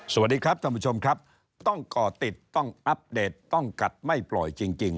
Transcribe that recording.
สวัสดีครับท่านผู้ชมครับต้องก่อติดต้องอัปเดตต้องกัดไม่ปล่อยจริง